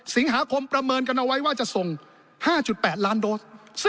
สิงหาคมประเมินกันเอาไว้ว่าจะส่ง๕๘ล้านโดส